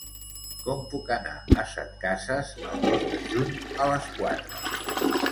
Com puc anar a Setcases el dos de juny a les quatre?